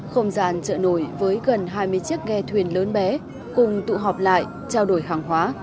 không gian chợ nổi với gần hai mươi chiếc ghe thuyền lớn bé cùng tụ họp lại trao đổi hàng hóa